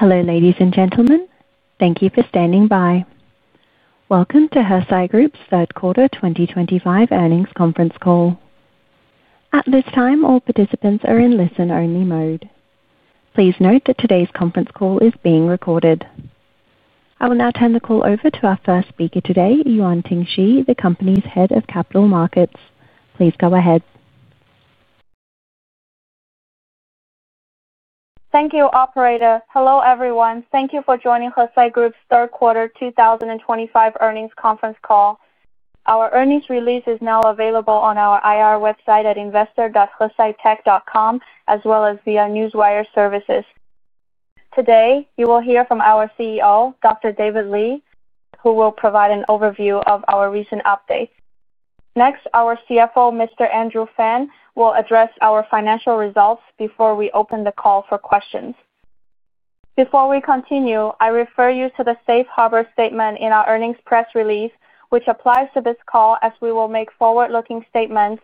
Hello, ladies and gentlemen. Thank you for standing by. Welcome to Hesai Group's Third Quarter 2025 Earnings Conference Call. At this time, all participants are in listen-only mode. Please note that today's conference call is being recorded. I will now turn the call over to our first speaker today, Yuanting Shi, the company's Head of Capital Markets. Please go ahead. Thank you, operator. Hello, everyone. Thank you for joining Hesai Group's Third Quarter 2025 earnings conference call. Our earnings release is now available on our IR website at investor.hesaitech.com, as well as via Newswire services. Today, you will hear from our CEO, Dr. David Li, who will provide an overview of our recent updates. Next, our CFO, Mr. Andrew Fan, will address our financial results before we open the call for questions. Before we continue, I refer you to the Safe Harbor statement in our earnings press release, which applies to this call as we will make forward-looking statements.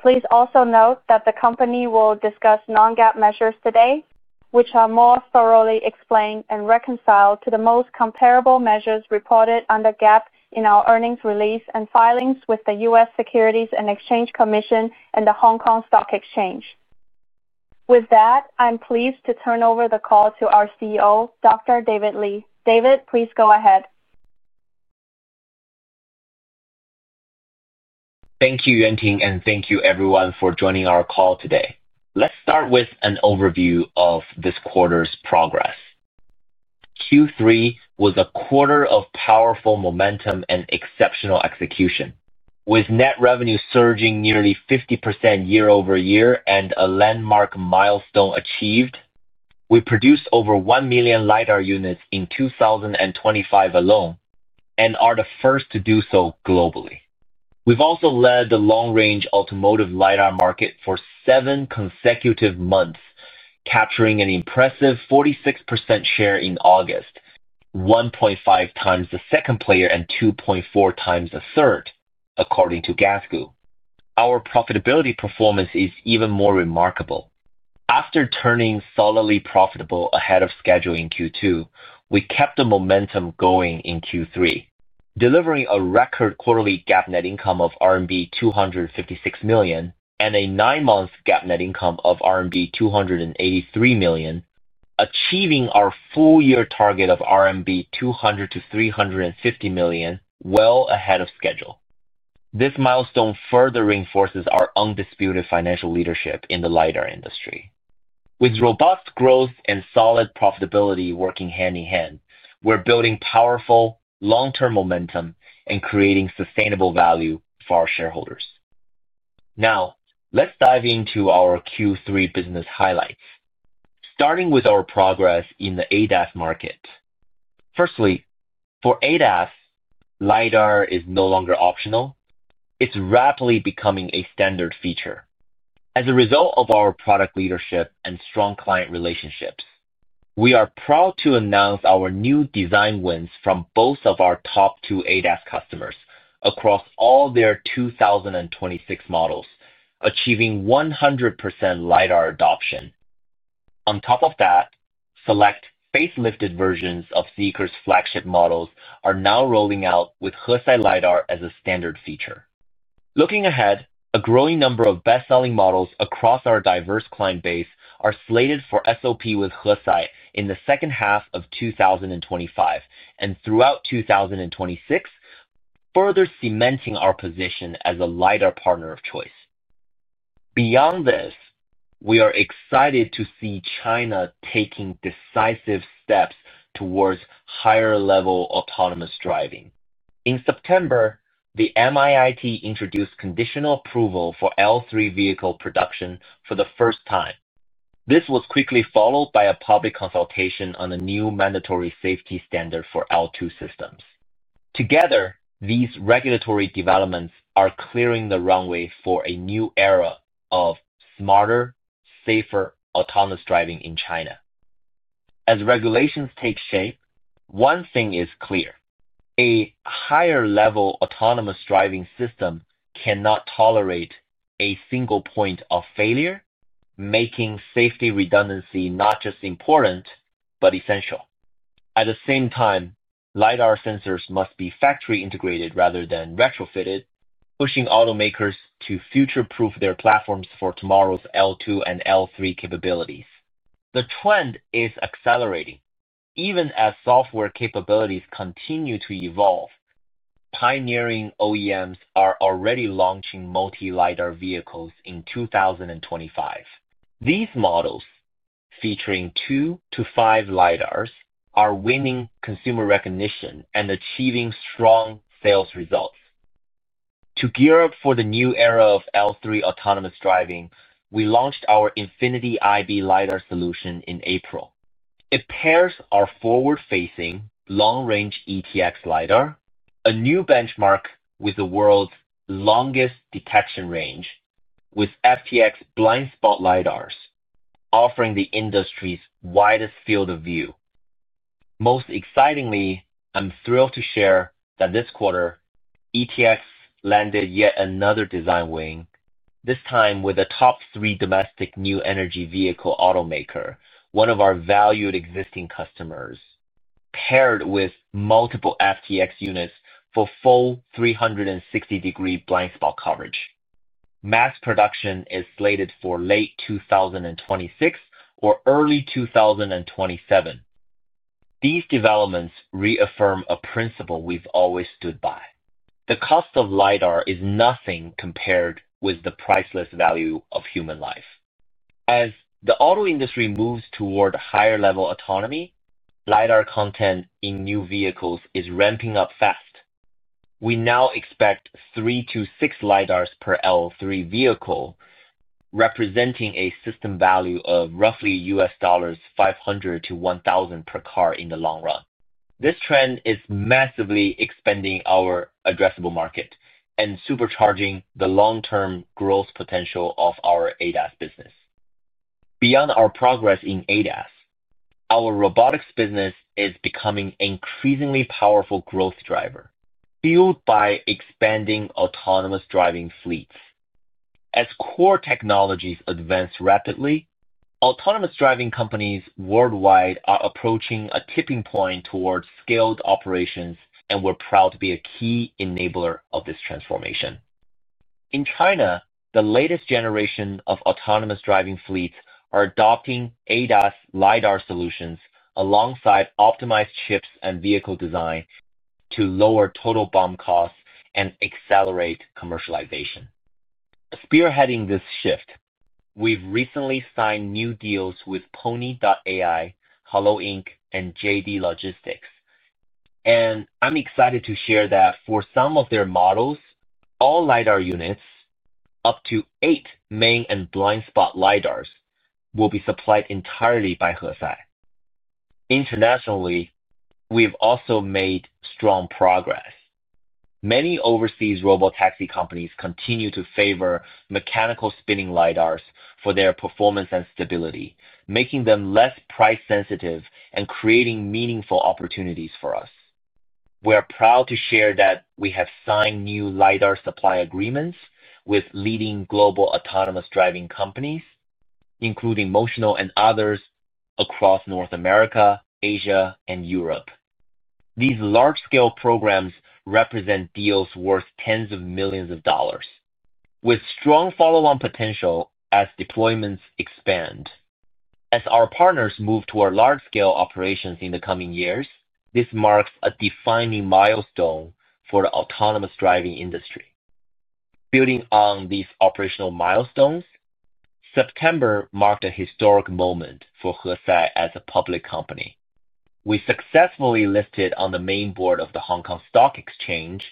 Please also note that the company will discuss non-GAAP measures today, which are more thoroughly explained and reconciled to the most comparable measures reported under GAAP in our earnings release and filings with the U.S. Securities and Exchange Commission and the Hong Kong Stock Exchange. With that, I'm pleased to turn over the call to our CEO, Dr. David Li. David, please go ahead. Thank you, Yuanting, and thank you, everyone, for joining our call today. Let's start with an overview of this quarter's progress. Q3 was a quarter of powerful momentum and exceptional execution. With net revenue surging nearly 50% year-over-year and a landmark milestone achieved, we produced over 1 million LiDAR units in 2023 alone and are the first to do so globally. We've also led the long-range automotive LiDAR market for seven consecutive months, capturing an impressive 46% share in August, 1.5 times the second player and 2.4 times the third, according to Gasgoo. Our profitability performance is even more remarkable. After turning solidly profitable ahead of schedule in Q2, we kept the momentum going in Q3, delivering a record quarterly GAAP net income of RMB 256 million and a nine-month GAAP net income of RMB 283 million, achieving our full-year target of RMB 200-350 million well ahead of schedule. This milestone further reinforces our undisputed financial leadership in the LiDAR industry. With robust growth and solid profitability working hand in hand, we're building powerful long-term momentum and creating sustainable value for our shareholders. Now, let's dive into our Q3 business highlights, starting with our progress in the ADAS market. Firstly, for ADAS, LiDAR is no longer optional. It's rapidly becoming a standard feature. As a result of our product leadership and strong client relationships, we are proud to announce our new design wins from both of our top two ADAS customers across all their 2026 models, achieving 100% LiDAR adoption. On top of that, select facelifted versions of Zeekr's flagship models are now rolling out with Hesai LiDAR as a standard feature. Looking ahead, a growing number of best-selling models across our diverse client base are slated for SOP with Hesai in the second half of 2025 and throughout 2026, further cementing our position as a LiDAR partner of choice. Beyond this, we are excited to see China taking decisive steps towards higher-level autonomous driving. In September, the MiIT introduced conditional approval for L3 vehicle production for the first time. This was quickly followed by a public consultation on a new mandatory safety standard for L2 systems. Together, these regulatory developments are clearing the runway for a new era of smarter, safer autonomous driving in China. As regulations take shape, one thing is clear: a higher-level autonomous driving system cannot tolerate a single point of failure, making safety redundancy not just important but essential. At the same time, LiDAR sensors must be factory integrated rather than retrofitted, pushing automakers to future-proof their platforms for tomorrow's L2 and L3 capabilities. The trend is accelerating. Even as software capabilities continue to evolve, pioneering OEMs are already launching multi-LiDAR vehicles in 2025. These models, featuring two to five LiDARs, are winning consumer recognition and achieving strong sales results. To gear up for the new era of L3 autonomous driving, we launched our Infinity IB LiDAR solution in April. It pairs our forward-facing long-range ETX LiDAR, a new benchmark with the world's longest detection range, with FTX blind spot LiDARs, offering the industry's widest field of view. Most excitingly, I'm thrilled to share that this quarter, ETX landed yet another design win, this time with a top three domestic new energy vehicle automaker, one of our valued existing customers, paired with multiple FTX units for full 360-degree blind spot coverage. Mass production is slated for late 2026 or early 2027. These developments reaffirm a principle we've always stood by: the cost of LiDAR is nothing compared with the priceless value of human life. As the auto industry moves toward higher-level autonomy, LiDAR content in new vehicles is ramping up fast. We now expect three to six LiDARs per L3 vehicle, representing a system value of roughly RMB 500-RMB 1,000 per car in the long run. This trend is massively expanding our addressable market and supercharging the long-term growth potential of our ADAS business. Beyond our progress in ADAS, our robotics business is becoming an increasingly powerful growth driver, fueled by expanding autonomous driving fleets. As core technologies advance rapidly, autonomous driving companies worldwide are approaching a tipping point towards scaled operations, and we're proud to be a key enabler of this transformation. In China, the latest generation of autonomous driving fleets are adopting ADAS LiDAR solutions alongside optimized chips and vehicle design to lower total BOM costs and accelerate commercialization. Spearheading this shift, we've recently signed new deals with Pony.ai, Halo Inc., and JD Logistics, and I'm excited to share that for some of their models, all LiDAR units, up to eight main and blind spot LiDARs, will be supplied entirely by Hesai. Internationally, we've also made strong progress. Many overseas robotaxi companies continue to favor mechanical spinning LiDARs for their performance and stability, making them less price-sensitive and creating meaningful opportunities for us. We're proud to share that we have signed new LiDAR supply agreements with leading global autonomous driving companies, including Motional and others, across North America, Asia, and Europe. These large-scale programs represent deals worth tens of millions of dollars, with strong follow-on potential as deployments expand. As our partners move toward large-scale operations in the coming years, this marks a defining milestone for the autonomous driving industry. Building on these operational milestones, September marked a historic moment for Hesai as a public company. We successfully listed on the main board of the Hong Kong Stock Exchange,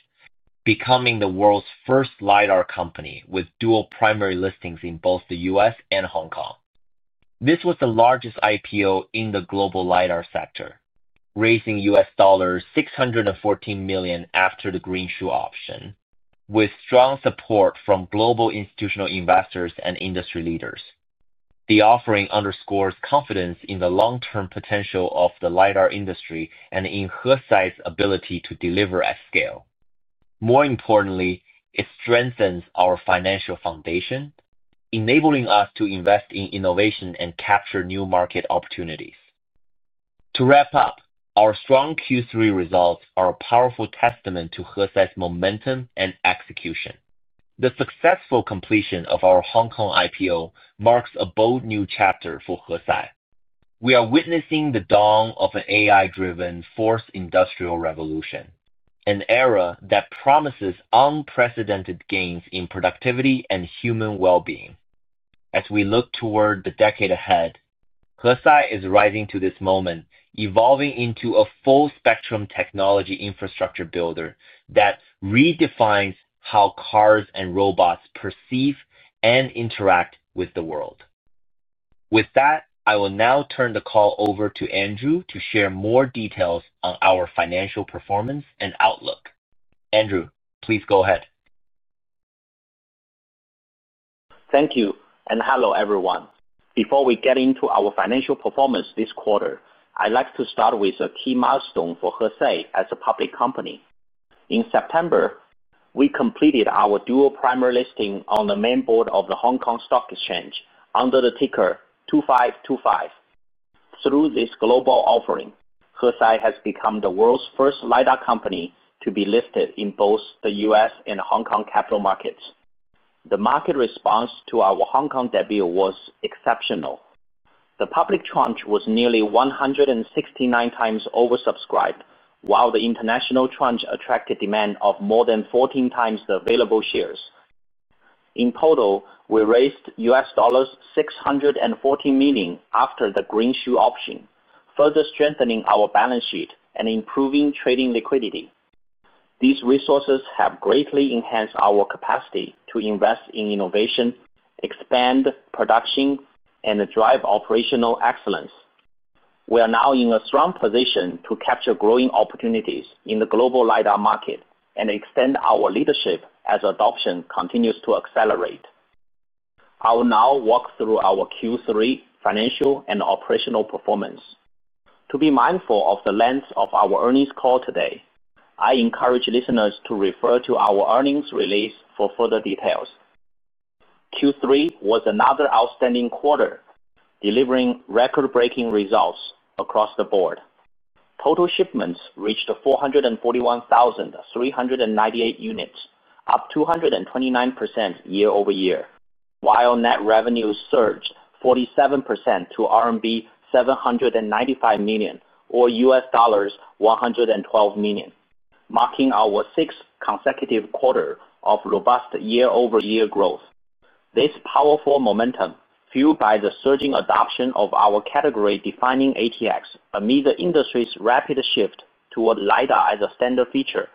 becoming the world's first LiDAR company with dual primary listings in both the U.S. and Hong Kong. This was the largest IPO in the global LiDAR sector, raising U.S. RMB 614 million after the green shoe auction, with strong support from global institutional investors and industry leaders. The offering underscores confidence in the long-term potential of the LiDAR industry and in Hesai's ability to deliver at scale. More importantly, it strengthens our financial foundation, enabling us to invest in innovation and capture new market opportunities. To wrap up, our strong Q3 results are a powerful testament to Hesai's momentum and execution. The successful completion of our Hong Kong IPO marks a bold new chapter for Hesai. We are witnessing the dawn of an AI-driven fourth industrial revolution, an era that promises unprecedented gains in productivity and human well-being. As we look toward the decade ahead, Hesai is rising to this moment, evolving into a full-spectrum technology infrastructure builder that redefines how cars and robots perceive and interact with the world. With that, I will now turn the call over to Andrew to share more details on our financial performance and outlook. Andrew, please go ahead. Thank you, and hello everyone. Before we get into our financial performance this quarter, I'd like to start with a key milestone for Hesai as a public company. In September, we completed our dual primary listing on the main board of the Hong Kong Stock Exchange under the ticker 2525. Through this global offering, Hesai has become the world's first LiDAR company to be listed in both the U.S. and Hong Kong capital markets. The market response to our Hong Kong debut was exceptional. The public tranche was nearly 169 times oversubscribed, while the international tranche attracted demand of more than 14 times the available shares. In total, we raised RMB 614 million after the green shoe auction, further strengthening our balance sheet and improving trading liquidity. These resources have greatly enhanced our capacity to invest in innovation, expand production, and drive operational excellence. We are now in a strong position to capture growing opportunities in the global LiDAR market and extend our leadership as adoption continues to accelerate. I will now walk through our Q3 financial and operational performance. To be mindful of the length of our earnings call today, I encourage listeners to refer to our earnings release for further details. Q3 was another outstanding quarter, delivering record-breaking results across the board. Total shipments reached 441,398 units, up 229% year-over-year, while net revenue surged 47% to RMB 795 million or RMB 112 million, marking our sixth consecutive quarter of robust year-over-year growth. This powerful momentum, fueled by the surging adoption of our category-defining ATX amid the industry's rapid shift toward LiDAR as a standard feature,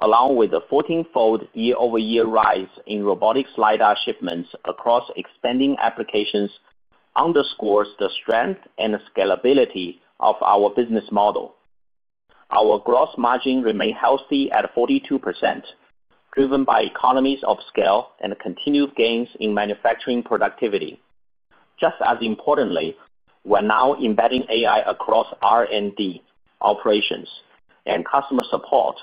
along with the 14-fold year-over-year rise in robotics LiDAR shipments across expanding applications, underscores the strength and scalability of our business model. Our gross margin remained healthy at 42%, driven by economies of scale and continued gains in manufacturing productivity. Just as importantly, we're now embedding AI across R&D operations and customer support,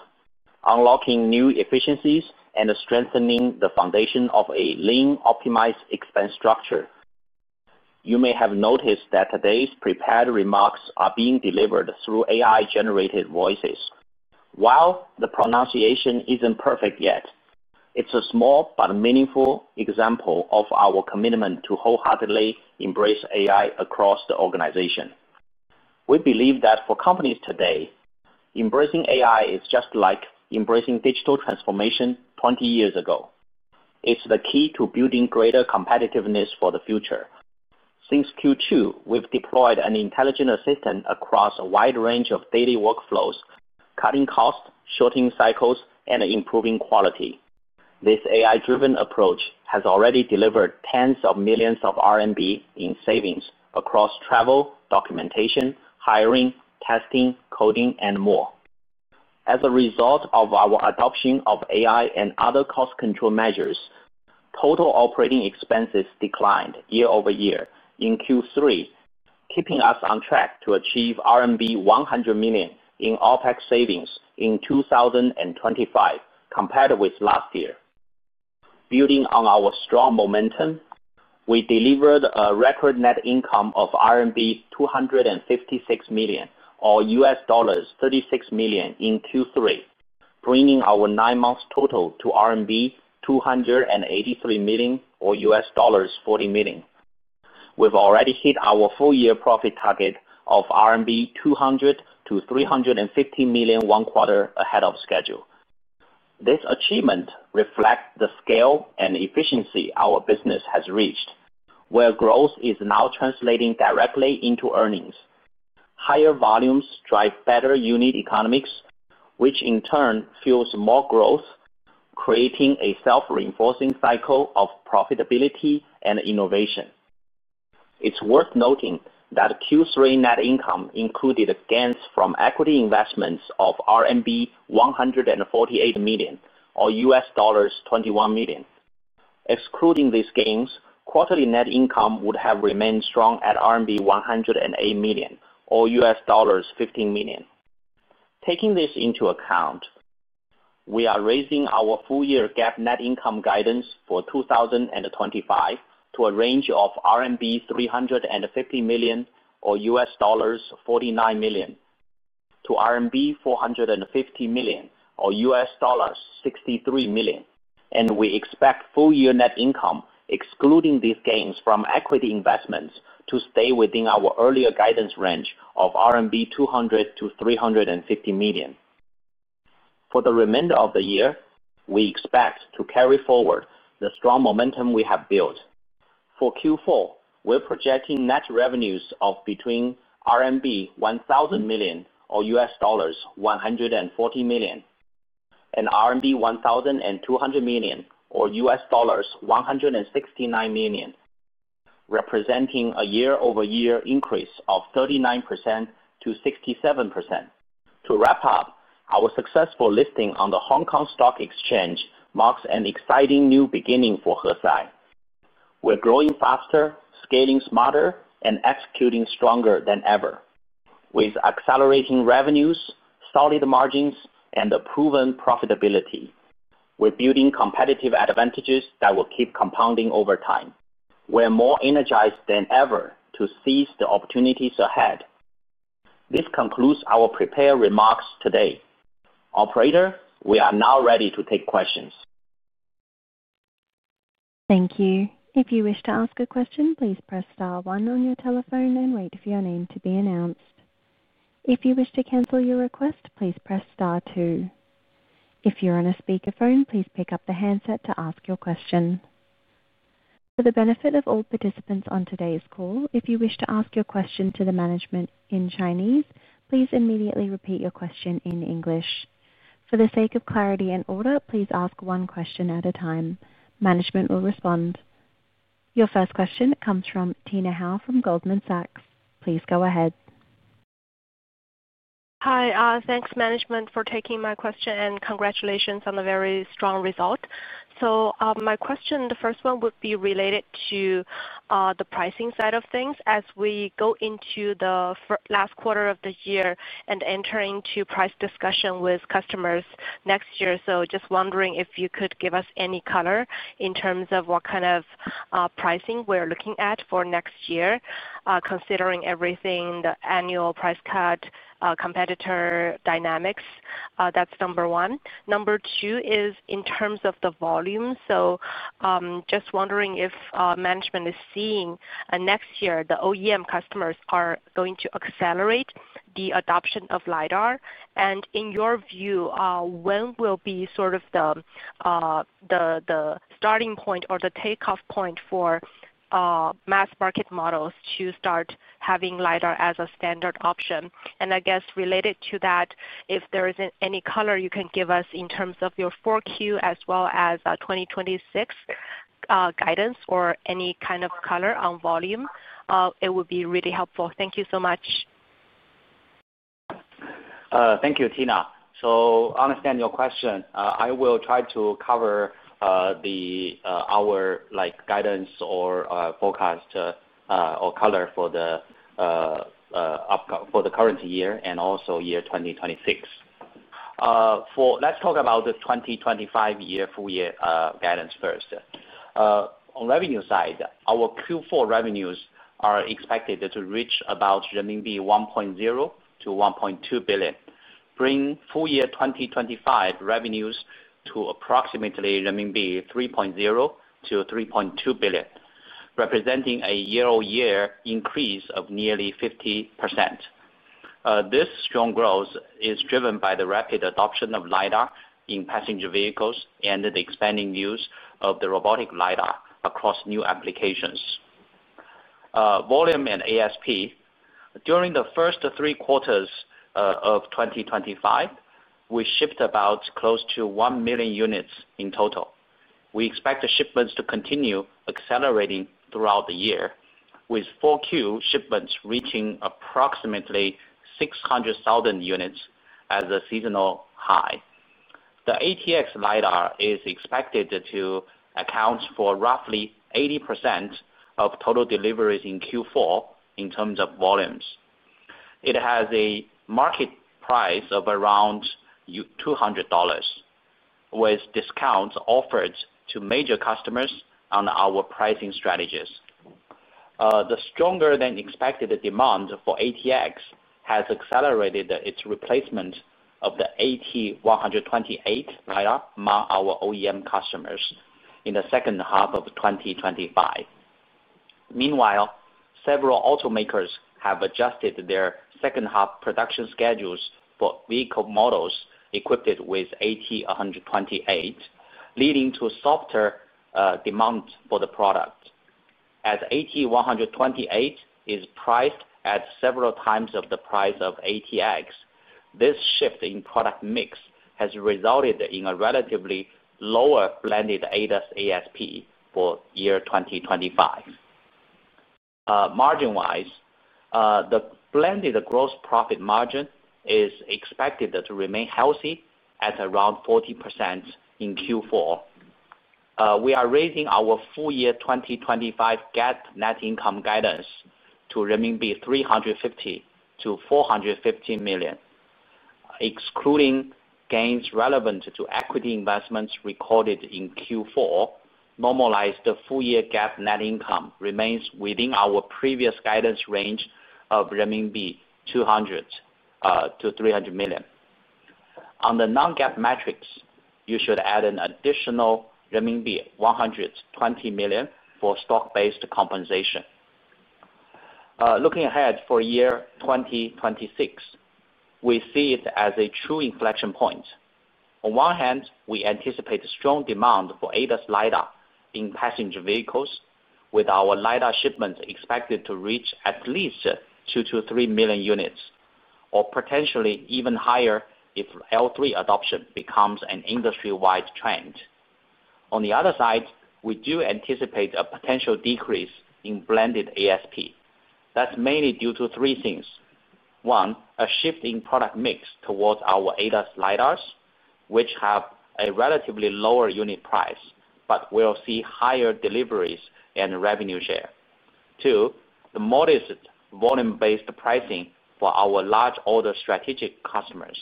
unlocking new efficiencies and strengthening the foundation of a lean optimized expense structure. You may have noticed that today's prepared remarks are being delivered through AI-generated voices. While the pronunciation is not perfect yet, it is a small but meaningful example of our commitment to wholeheartedly embrace AI across the organization. We believe that for companies today, embracing AI is just like embracing digital transformation 20 years ago. It is the key to building greater competitiveness for the future. Since Q2, we've deployed an intelligent assistant across a wide range of daily workflows, cutting costs, shortening cycles, and improving quality. This AI-driven approach has already delivered tens of millions of RMB in savings across travel, documentation, hiring, testing, coding, and more. As a result of our adoption of AI and other cost control measures, total operating expenses declined year-over-year in Q3, keeping us on track to achieve RMB 100 million in OpEx savings in 2025 compared with last year. Building on our strong momentum, we delivered a record net income of RMB 256 million or RMB 36 million in Q3, bringing our nine-month total to RMB 283 million or RMB 40 million. We've already hit our full-year profit target of RMB 200-350 million one quarter ahead of schedule. This achievement reflects the scale and efficiency our business has reached, where growth is now translating directly into earnings. Higher volumes drive better unit economics, which in turn fuels more growth, creating a self-reinforcing cycle of profitability and innovation. It's worth noting that Q3 net income included gains from equity investments of RMB 148 million or RMB RMB 21 million. Excluding these gains, quarterly net income would have remained strong at RMB 108 million or RMB 15 million. Taking this into account, we are raising our full-year GAAP net income guidance for 2025 to a range of RMB 350 million or RMB 49 million-RMB 450 million or RMB 63 million, and we expect full-year net income, excluding these gains from equity investments, to stay within our earlier guidance range of RMB 200-350 million. For the remainder of the year, we expect to carry forward the strong momentum we have built. For Q4, we're projecting net revenues of between RMB 1,000 million or RMB 140 million and RMB 1,200 million or RMB 169 million, representing a year-over-year increase of 39% to 67%. To wrap up, our successful listing on the Hong Kong Stock Exchange marks an exciting new beginning for Hesai. We're growing faster, scaling smarter, and executing stronger than ever. With accelerating revenues, solid margins, and proven profitability, we're building competitive advantages that will keep compounding over time. We're more energized than ever to seize the opportunities ahead. This concludes our prepared remarks today. Operator, we are now ready to take questions. Thank you. If you wish to ask a question, please press star one on your telephone and wait for your name to be announced. If you wish to cancel your request, please press star two. If you're on a speakerphone, please pick up the handset to ask your question. For the benefit of all participants on today's call, if you wish to ask your question to the management in Chinese, please immediately repeat your question in English. For the sake of clarity and order, please ask one question at a time. Management will respond. Your first question comes from Tina Hou from Goldman Sachs. Please go ahead. Hi, thanks management for taking my question and congratulations on a very strong result. My question, the first one, would be related to the pricing side of things as we go into the last quarter of the year and enter into price discussion with customers next year. Just wondering if you could give us any color in terms of what kind of pricing we're looking at for next year, considering everything, the annual price cut, competitor dynamics. That's number one. Number two is in terms of the volume. Just wondering if management is seeing next year the OEM customers are going to accelerate the adoption of LiDAR. In your view, when will be sort of the starting point or the takeoff point for mass market models to start having LiDAR as a standard option? I guess related to that, if there is any color you can give us in terms of your Q4 as well as 2026 guidance or any kind of color on volume, it would be really helpful. Thank you so much. Thank you, Tina. I understand your question. I will try to cover our guidance or forecast or color for the current year and also year 2026. Let's talk about the 2025 full-year guidance first. On the revenue side, our Q4 revenues are expected to reach about renminbi 1.0 to 1.2 billion, bringing full-year 2025 revenues to approximately renminbi 3.0-3.2 billion, representing a year-over-year increase of nearly 50%. This strong growth is driven by the rapid adoption of LiDAR in passenger vehicles and the expanding use of the robotic LiDAR across new applications. Volume and ASP, during the first three quarters of 2025, we shipped about close to 1 million units in total. We expect the shipments to continue accelerating throughout the year, with Q4 shipments reaching approximately 600,000 units as a seasonal high. The ATX LiDAR is expected to account for roughly 80% of total deliveries in Q4 in terms of volumes. It has a market price of around RMB 200, with discounts offered to major customers on our pricing strategies. The stronger-than-expected demand for ATX has accelerated its replacement of the AT128 LiDAR among our OEM customers in the second half of 2025. Meanwhile, several automakers have adjusted their second-half production schedules for vehicle models equipped with AT128, leading to softer demand for the product. As AT128 is priced at several times the price of ATX, this shift in product mix has resulted in a relatively lower blended ADAS ASP for year 2025. Margin-wise, the blended gross profit margin is expected to remain healthy at around 40% in Q4. We are raising our full-year 2025 GAAP net income guidance to renminbi 350-450 million. Excluding gains relevant to equity investments recorded in Q4, normalized full-year GAAP net income remains within our previous guidance range of renminbi 200 million- 300 million. On the non-GAAP metrics, you should add an additional renminbi 120 million for stock-based compensation. Looking ahead for year 2026, we see it as a true inflection point. On one hand, we anticipate strong demand for ADAS LiDAR in passenger vehicles, with our LiDAR shipments expected to reach at least 2-3 million units, or potentially even higher if L3 adoption becomes an industry-wide trend. On the other side, we do anticipate a potential decrease in blended ASP. That is mainly due to three things. One, a shift in product mix towards our ADAS LiDARs, which have a relatively lower unit price, but we will see higher deliveries and revenue share. Two, the modest volume-based pricing for our large order strategic customers.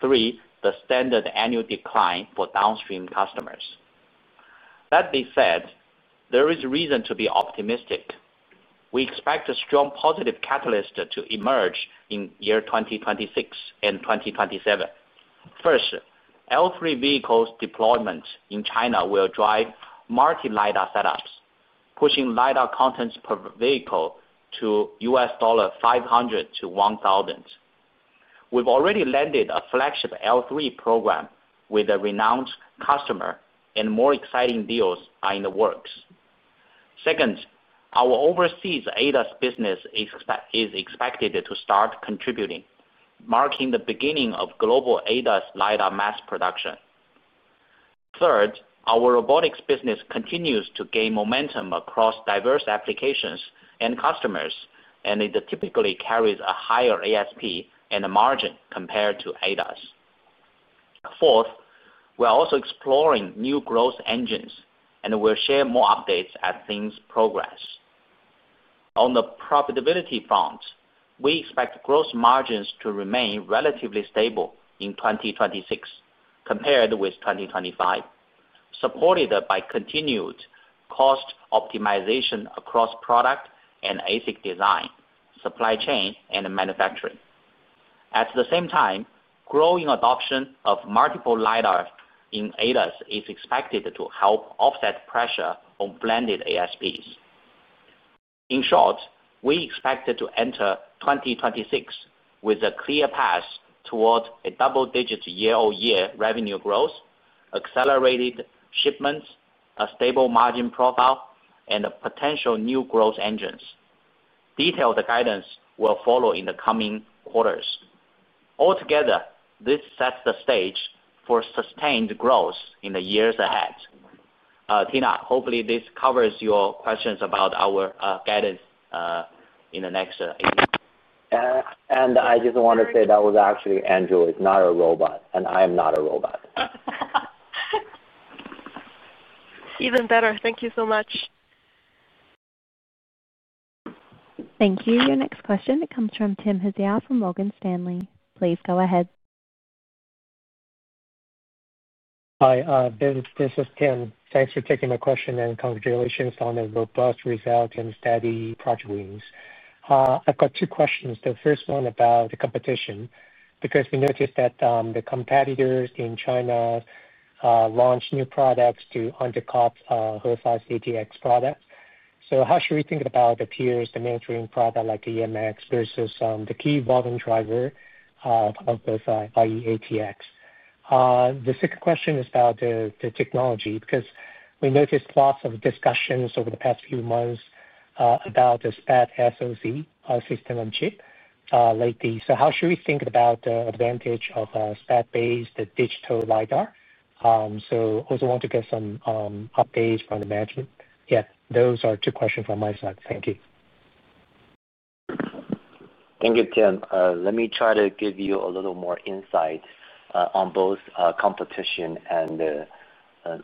Three, the standard annual decline for downstream customers. That being said, there is reason to be optimistic. We expect a strong positive catalyst to emerge in year 2026 and 2027. First, L3 vehicles deployment in China will drive multi-LiDAR setups, pushing LiDAR contents per vehicle to RMB 500-RMB 1,000. We've already landed a flagship L3 program with a renowned customer, and more exciting deals are in the works. Second, our overseas ADAS business is expected to start contributing, marking the beginning of global ADAS LiDAR mass production. Third, our robotics business continues to gain momentum across diverse applications and customers, and it typically carries a higher ASP and margin compared to ADAS. Fourth, we're also exploring new growth engines, and we'll share more updates as things progress. On the profitability front, we expect gross margins to remain relatively stable in 2026 compared with 2025, supported by continued cost optimization across product and ASIC design, supply chain, and manufacturing. At the same time, growing adoption of multiple LiDARs in ADAS is expected to help offset pressure on blended ASPs. In short, we expect to enter 2026 with a clear path toward a double-digit year-over-year revenue growth, accelerated shipments, a stable margin profile, and potential new growth engines. Detailed guidance will follow in the coming quarters. Altogether, this sets the stage for sustained growth in the years ahead. Tina, hopefully this covers your questions about our guidance in the next eight. I just want to say that was actually Andrew, not a robot, and I am not a robot. Even better. Thank you so much. Thank you. Your next question, it comes from Tim Hsieh from Logan Stanley. Please go ahead. Hi, this is Tim. Thanks for taking my question, and congratulations on the robust result and steady project wins. I've got two questions. The first one about the competition, because we noticed that the competitors in China launched new products to undercut Hesai's ATX products. How should we think about the peers, the mainframe product like EMX versus the key volume driver of Hesai, i.e., ATX? The second question is about the technology, because we noticed lots of discussions over the past few months about the SPAD SoC system and chip lately. How should we think about the advantage of SPAD-based digital LiDAR? I also want to get some updates from the management. Yeah, those are two questions from my side. Thank you. Thank you, Tim. Let me try to give you a little more insight on both competition and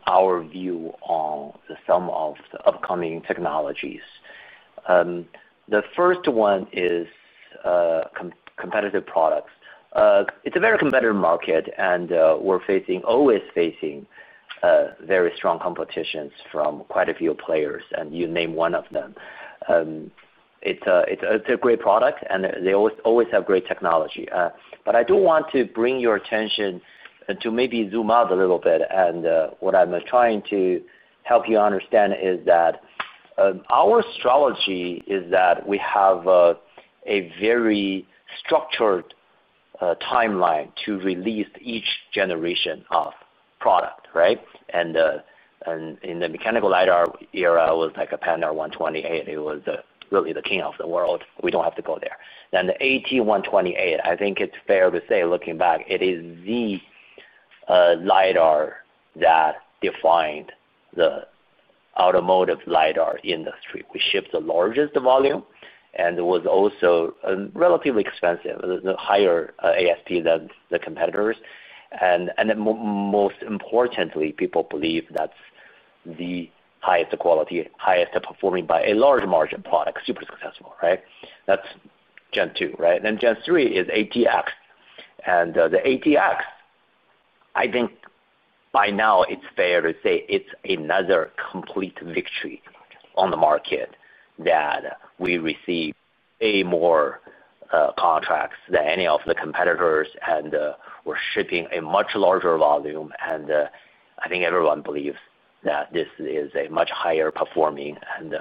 our view on some of the upcoming technologies. The first one is competitive products. It's a very competitive market, and we're always facing very strong competition from quite a few players, and you name one of them. It's a great product, and they always have great technology. I do want to bring your attention to maybe zoom out a little bit. What I'm trying to help you understand is that our strategy is that we have a very structured timeline to release each generation of product, right? In the mechanical LiDAR era, it was like a Pandar128. It was really the king of the world. We don't have to go there. The AT128, I think it's fair to say, looking back, it is the LiDAR that defined the automotive LiDAR industry. We shipped the largest volume, and it was also relatively expensive. It was a higher ASP than the competitors. Most importantly, people believe that's the highest quality, highest performing by a large margin product, super successful, right? That's Gen 2, right? Gen 3 is ATX. The ATX, I think by now, it's fair to say it's another complete victory on the market that we received way more contracts than any of the competitors, and we're shipping a much larger volume. I think everyone believes that this is a much higher performing and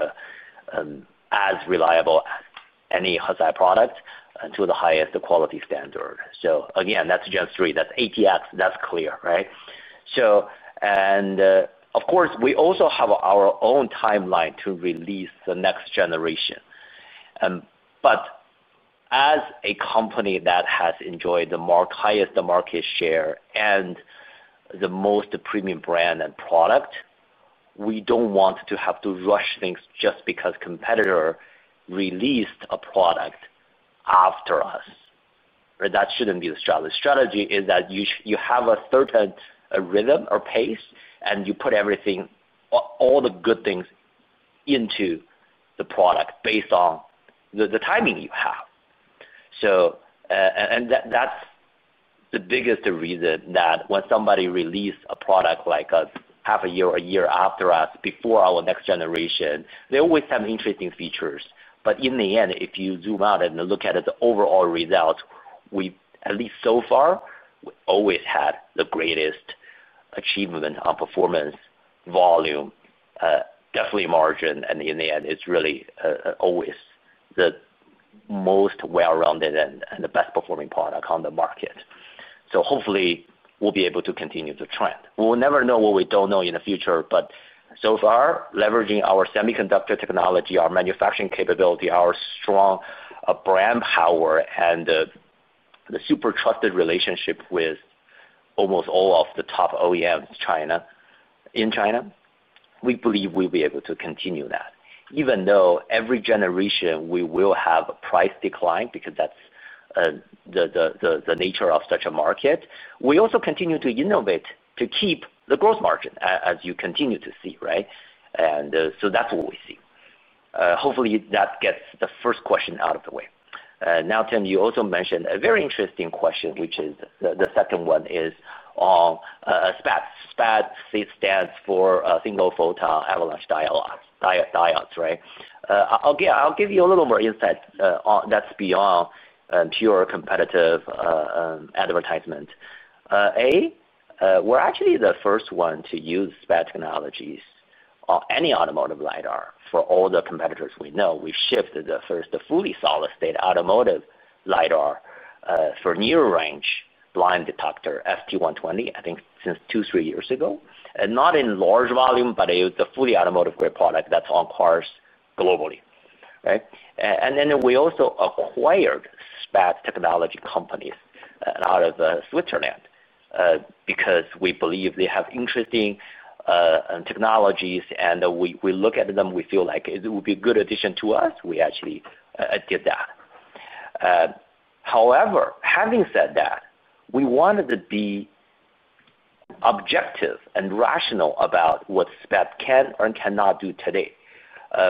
as reliable as any Hesai product to the highest quality standard. Again, that's Gen 3. That's ATX. That's clear, right? Of course, we also have our own timeline to release the next generation. As a company that has enjoyed the highest market share and the most premium brand and product, we do not want to have to rush things just because a competitor released a product after us. That should not be the strategy. The strategy is that you have a certain rhythm or pace, and you put everything, all the good things into the product based on the timing you have. That is the biggest reason that when somebody releases a product like half a year or a year after us, before our next generation, they always have interesting features. In the end, if you zoom out and look at the overall result, at least so far, we always had the greatest achievement on performance, volume, definitely margin. In the end, it's really always the most well-rounded and the best performing product on the market. Hopefully, we'll be able to continue the trend. We'll never know what we don't know in the future, but so far, leveraging our semiconductor technology, our manufacturing capability, our strong brand power, and the super trusted relationship with almost all of the top OEMs in China, we believe we'll be able to continue that. Even though every generation, we will have a price decline because that's the nature of such a market, we also continue to innovate to keep the gross margin, as you continue to see, right? That's what we see. Hopefully, that gets the first question out of the way. Now, Tim, you also mentioned a very interesting question, which is the second one is on SPAD. SPAD stands for single photon avalanche diodes, right? Again, I'll give you a little more insight. That's beyond pure competitive advertisement. A, we're actually the first one to use SPAD technologies on any automotive LiDAR for all the competitors we know. We shipped the first fully solid-state automotive LiDAR for near-range blind detector, ST-120, I think since two, three years ago. Not in large volume, but it's a fully automotive product that's on cars globally, right? We also acquired SPAD technology companies out of Switzerland because we believe they have interesting technologies. We look at them, we feel like it would be a good addition to us. We actually did that. However, having said that, we wanted to be objective and rational about what SPAD can or cannot do today.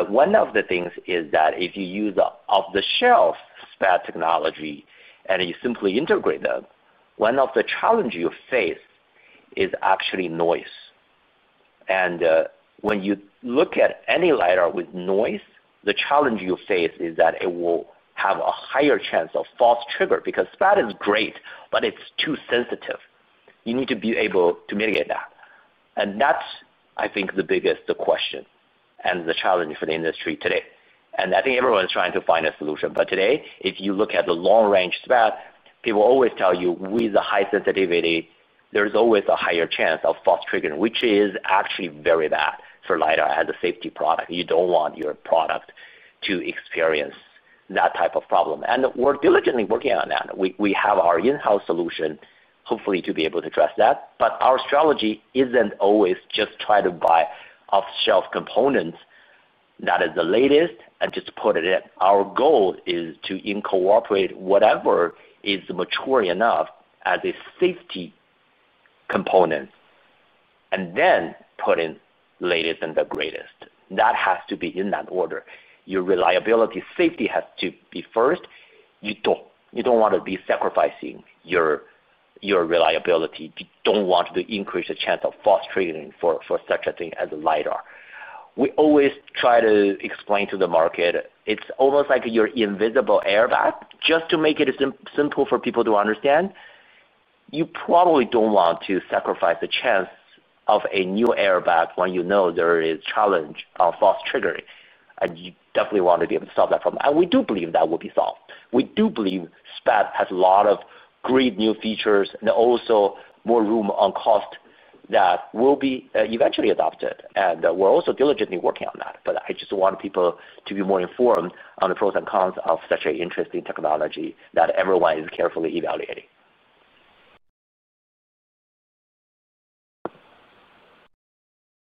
One of the things is that if you use off-the-shelf SPAD technology and you simply integrate them, one of the challenges you face is actually noise. When you look at any LiDAR with noise, the challenge you face is that it will have a higher chance of false trigger because SPAD is great, but it's too sensitive. You need to be able to mitigate that. I think the biggest question and the challenge for the industry today is that. I think everyone's trying to find a solution. Today, if you look at the long-range SPAD, people always tell you, with the high sensitivity, there's always a higher chance of false triggering, which is actually very bad for LiDAR as a safety product. You don't want your product to experience that type of problem. We're diligently working on that. We have our in-house solution, hopefully to be able to address that. Our strategy is not always just try to buy off-the-shelf components that are the latest and just put it in. Our goal is to incorporate whatever is mature enough as a safety component and then put in the latest and the greatest. That has to be in that order. Your reliability safety has to be first. You do not want to be sacrificing your reliability. You do not want to increase the chance of false triggering for such a thing as a LiDAR. We always try to explain to the market, it is almost like your invisible airbag. Just to make it simple for people to understand, you probably do not want to sacrifice the chance of a new airbag when you know there is a challenge on false triggering. You definitely want to be able to solve that problem. We do believe that will be solved. We do believe SPAD has a lot of great new features and also more room on cost that will be eventually adopted. We are also diligently working on that. I just want people to be more informed on the pros and cons of such an interesting technology that everyone is carefully evaluating.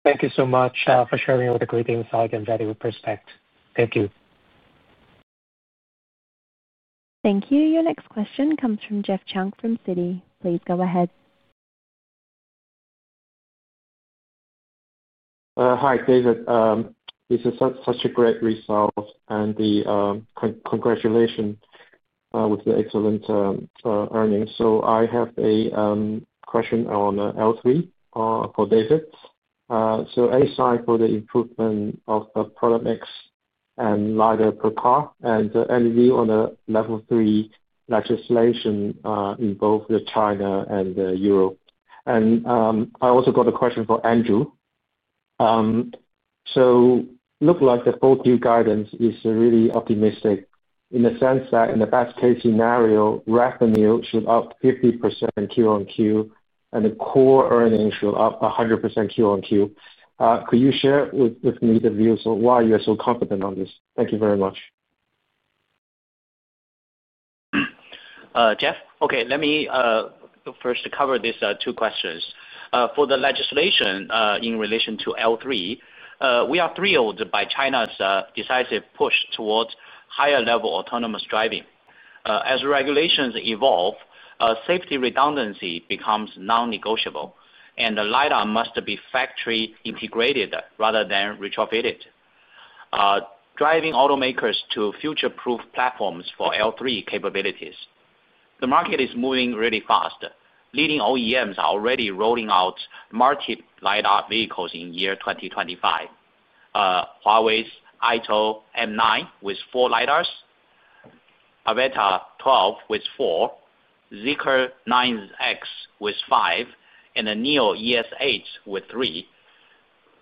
Thank you so much for sharing all the great insight and valuable perspective. Thank you. Thank you. Your next question comes from Jeff Chang from Citigroup. Please go ahead. Hi, David. This is such a great result. Congratulations with the excellent earnings. I have a question on L3 for David. Any sign for the improvement of Product X and LiDAR per car and any view on the Level 3 legislation in both China and Europe? I also have a question for Andrew. It looks like the full Q guidance is really optimistic in the sense that in the best-case scenario, revenue should up 50% QOQ, and the core earnings should up 100% QOQ. Could you share with me the views on why you are so confident on this? Thank you very much. Okay, let me first cover these two questions. For the legislation in relation to L3, we are thrilled by China's decisive push towards higher-level autonomous driving. As regulations evolve, safety redundancy becomes non-negotiable, and LiDAR must be factory integrated rather than retrofitted. Driving automakers to future-proof platforms for L3 capabilities. The market is moving really fast. Leading OEMs are already rolling out market LiDAR vehicles in year 2025. Huawei's Ito M9 with four LiDARs, Avatr 12 with four, Zeekr 9X with five, and the Nio ES8 with three.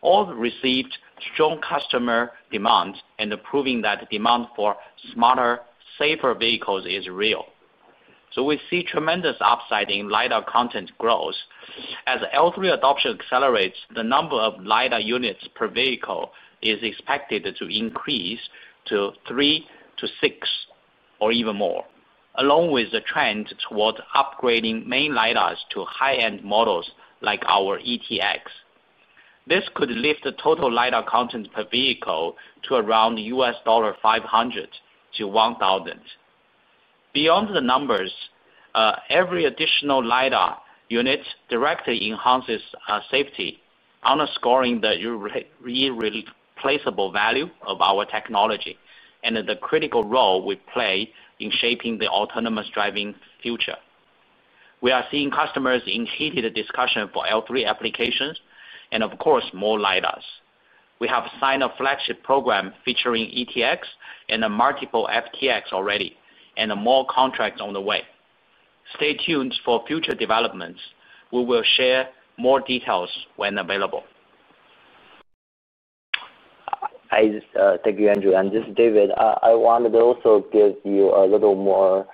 All received strong customer demand and proving that demand for smarter, safer vehicles is real. We see tremendous upside in LiDAR content growth. As L3 adoption accelerates, the number of LiDAR units per vehicle is expected to increase to three to six or even more, along with the trend towards upgrading main LiDARs to high-end models like our ETX. This could lift the total LiDAR content per vehicle to around RMB 500-RMB 1,000. Beyond the numbers, every additional LiDAR unit directly enhances safety, underscoring the irreplaceable value of our technology and the critical role we play in shaping the autonomous driving future. We are seeing customers in heated discussion for L3 applications and, of course, more LiDARs. We have signed a flagship program featuring ETX and multiple FTX already, and more contracts on the way. Stay tuned for future developments. We will share more details when available. Thank you, Andrew. This is David. I wanted to also give you a little more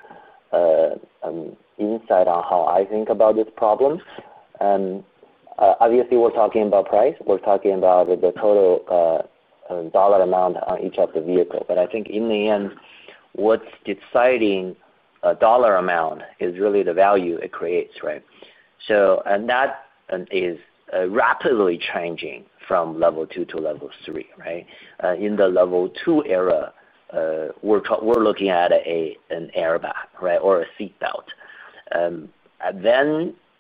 insight on how I think about this problem. Obviously, we are talking about price. We are talking about the total dollar amount on each of the vehicles. I think in the end, what is deciding a dollar amount is really the value it creates, right? That is rapidly changing from Level 2 to Level 3, right? In the Level 2 era, we are looking at an airbag or a seatbelt.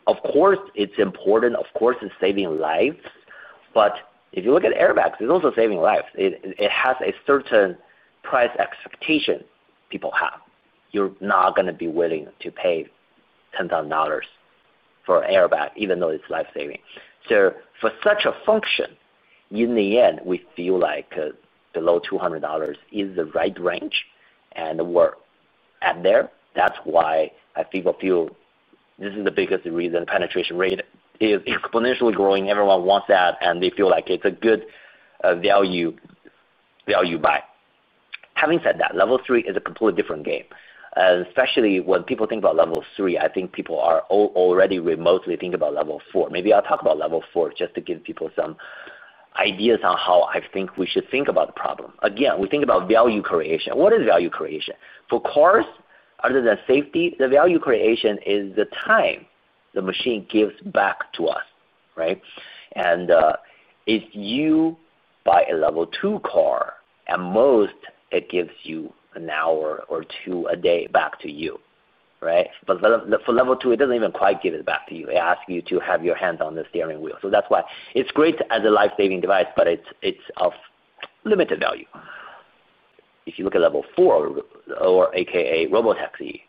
Of course, it is important. Of course, it is saving lives. If you look at airbags, it is also saving lives. It has a certain price expectation people have. You are not going to be willing to pay RMB 10,000 for an airbag, even though it is life-saving. For such a function, in the end, we feel like below RMB 200 is the right range. We are at there. That's why I think this is the biggest reason penetration rate is exponentially growing. Everyone wants that, and they feel like it's a good value buy. Having said that, Level 3 is a completely different game. Especially when people think about Level 3, I think people are already remotely thinking about Level 4. Maybe I'll talk about Level 4 just to give people some ideas on how I think we should think about the problem. Again, we think about value creation. What is value creation? For cars, other than safety, the value creation is the time the machine gives back to us, right? If you buy a Level 2 car, at most, it gives you an hour or two a day back to you, right? For Level 2, it doesn't even quite give it back to you. They ask you to have your hands on the steering wheel. That's why it's great as a life-saving device, but it's of limited value. If you look at Level 4, or a.k.a. Robotaxi,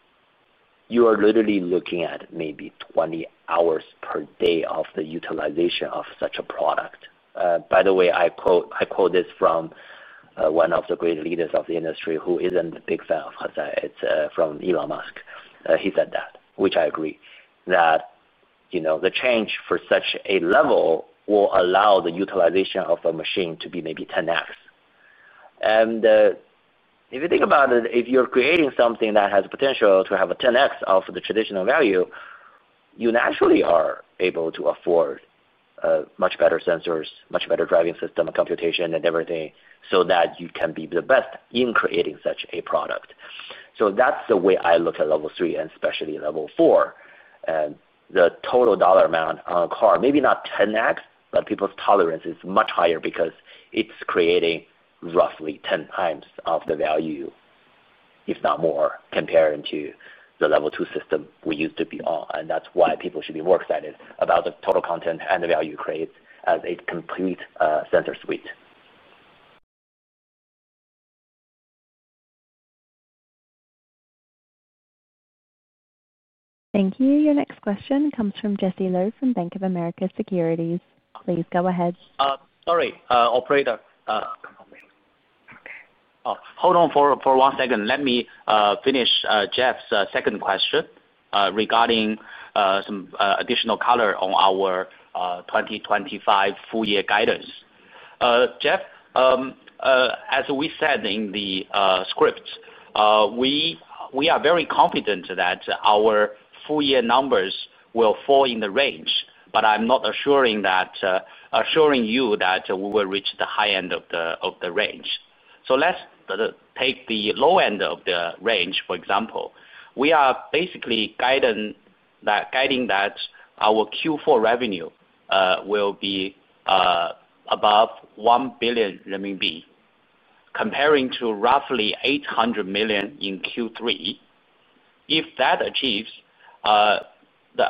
you are literally looking at maybe 20 hours per day of the utilization of such a product. By the way, I quote this from one of the great leaders of the industry who isn't a big fan of Hesai. It's from Elon Musk. He said that, which I agree, that the change for such a level will allow the utilization of a machine to be maybe 10x. And if you think about it, if you're creating something that has potential to have a 10x of the traditional value, you naturally are able to afford much better sensors, much better driving system computation, and everything so that you can be the best in creating such a product. That's the way I look at Level 3, and especially Level 4. The total dollar amount on a car, maybe not 10x, but people's tolerance is much higher because it's creating roughly 10 times the value, if not more, compared to the Level 2 system we used to be on. That's why people should be more excited about the total content and the value it creates as a complete sensor suite. Thank you. Your next question comes from Jesse Lu from Bank of America Securities. Please go ahead. Sorry, operator. Hold on for one second. Let me finish Jeff's second question regarding some additional color on our 2025 full-year guidance. Jeff, as we said in the script, we are very confident that our full-year numbers will fall in the range, but I'm not assuring you that we will reach the high end of the range. Let's take the low end of the range, for example. We are basically guiding that our Q4 revenue will be above 1 billion renminbi, comparing to roughly 800 million in Q3. If that achieves, the